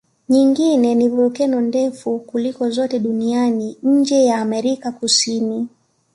Nyingine ni volkeno ndefu kuliko zote duniani nje ya Amerika Kusini